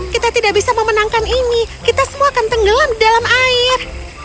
kita tidak bisa memenangkan ini kita semua akan tenggelam di dalam air